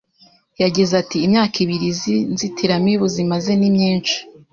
yagize ati “Imyaka ibiri izi nzitiramibu zimaze ni myinshi